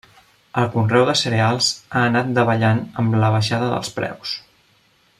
El conreu de cereals ha anat davallant amb la baixada dels preus.